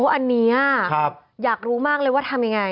อันนี้อยากรู้มากเลยว่าทำยังไง